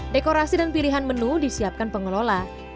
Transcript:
dekorasi dan pilihan menu disiapkan pengelola